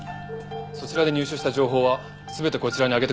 そちらで入手した情報は全てこちらに上げてください。